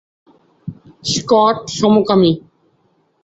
Scott সমকামী।